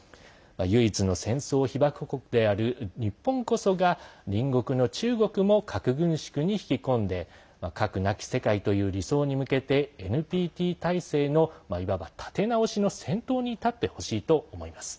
唯一の戦争被爆国である日本こそが隣国の中国も核軍縮に引き込んで核なき世界という理想に向けてＮＰＴ体制の、いわば立て直しの先頭に立ってほしいと思います。